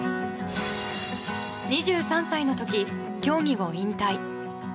２３歳の時、競技を引退。